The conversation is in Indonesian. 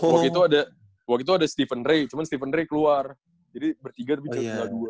waktu itu ada waktu itu ada stephen ray cuman stephen ray keluar jadi bertiga tapi cuma dua